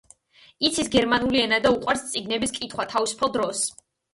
იცის გერმანული ენა და უყვარს წიგნების კითხვა თავისუფალ დროს.